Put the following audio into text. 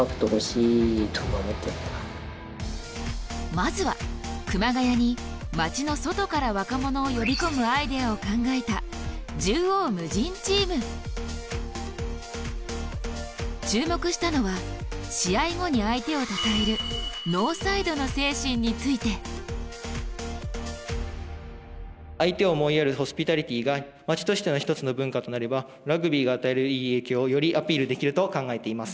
まずは熊谷に街の外から若者を呼び込むアイデアを考えた注目したのは試合後に相手をたたえる相手を思いやるホスピタリティーが街としての一つの文化となればラグビーが与えるいい影響をよりアピールできると考えています。